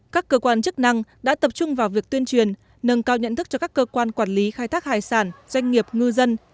các cơ quan chức năng đã tập trung vào việc tuyên truyền nâng cao nhận thức cho các cơ quan quản lý khai thác hải sản doanh nghiệp ngư dân